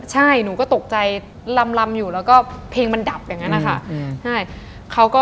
ใช่หนูก็ตกใจลำอยู่แล้วก็เพลงมันดับอย่างนั้นนะคะ